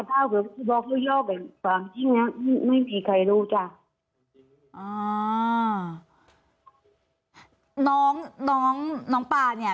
เป็นไง